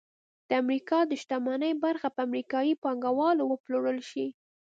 د امریکا د شتمنۍ برخه په امریکايي پانګوالو وپلورل شي